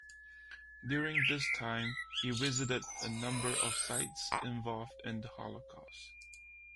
During this time, he visited a number of sites involved in the Holocaust.